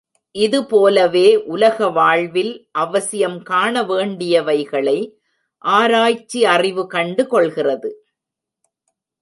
இது போலவே உலக வாழ்வில் அவசியம் காணவேண்டியவைகளை ஆராய்ச்சி அறிவு கண்டு கொள்கிறது.